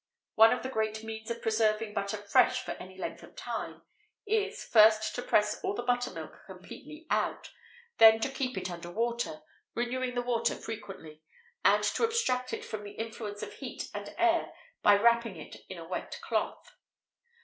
One of the great means of preserving butter fresh for any length of time is, first to press all the buttermilk completely out, then to keep it under water (renewing the water frequently), and to abstract it from the influence of heat and air by wrapping it in a wet cloth.